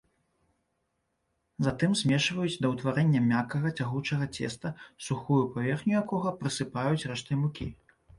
Затым змешваюць да ўтварэння мяккага, цягучага цеста, сухую паверхню якога прысыпаюць рэштай мукі.